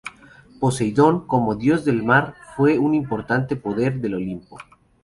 Poseidón, como dios del mar, fue un importante poder del olimpo.